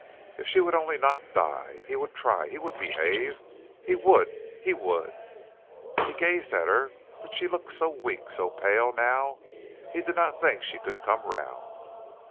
If she would only not die, he would try he would behave. He would! he would! He gazed at her, but she looked so weak, so pale now he did not think she could come round.